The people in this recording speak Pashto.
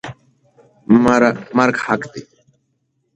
مرګ حق دی.